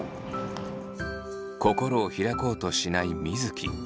心を開こうとしない水城。